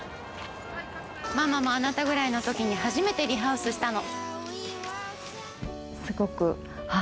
ママもあなたぐらいの時に初めてリハウスしたの。